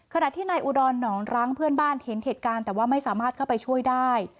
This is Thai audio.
ขณะที่นายอุดรหนองรั้งเพื่อนบ้านเห็นเหตุการณ์แต่ว่าไม่สามารถเข้าไปช่วยได้